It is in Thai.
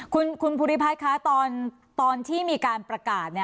คุณภูริพัฒน์คะตอนที่มีการประกาศ